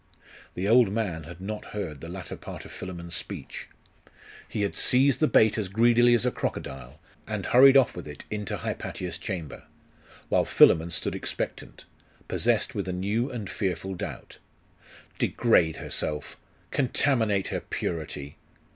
The old man had not heard the latter part of Philammon's speech. He had seized his bait as greedily as a crocodile, and hurried off with it into Hypatia's chamber, while Philammon stood expectant; possessed with a new and fearful doubt. 'Degrade herself!' 'Contaminate her purity!